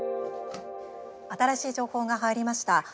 新しい情報が入りました。